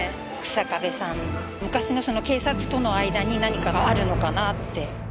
日下部さん昔の警察との間に何かがあるのかなって